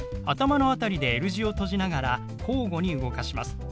頭の辺りでＬ字を閉じながら交互に動かします。